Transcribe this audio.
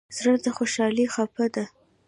زړه د خوشحالۍ څپه ده.